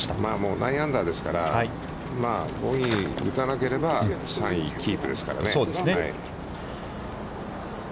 ９アンダーですから、ボギー打たなければ、３位キープですからね。